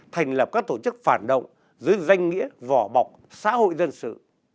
thành lập các tổ chức phản động dưới danh nghĩa vỏ bọc xã hội dân sự